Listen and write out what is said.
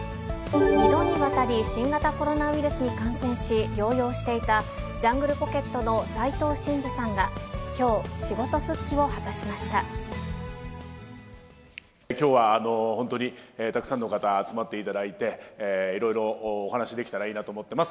２度にわたり、新型コロナウイルスに感染し、療養していたジャングルポケットの斉藤慎二さんが、きょう、きょうは本当に、たくさんの方、集まっていただいて、いろいろお話しできたらいいなと思ってます。